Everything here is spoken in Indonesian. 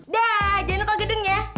dah jangan lupa gedungnya